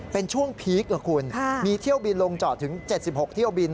เป็นช่วงพีคนะคุณมีเที่ยวบินลงจอดถึง๗๖เที่ยวบิน